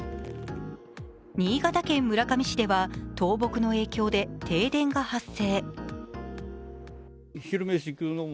新潟県村上市では倒木の影響で停電が発生。